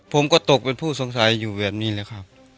ผมก็ตกเป็นผู้สงสัยอยู่แบบนี้แหละครับ